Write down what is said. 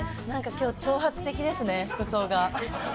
今日、挑発的ですね、服装が。